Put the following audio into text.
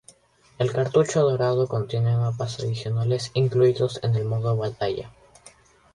El cartucho dorado contiene mapas adicionales incluidos en el modo batalla.